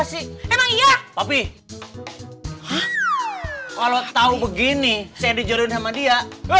sampai jumpa di video selanjutnya